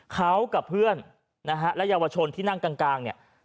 เขากับเพื่อนนะฮะและเยาวชนที่นั่งกลางเนี่ย